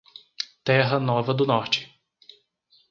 Terra Nova do Norte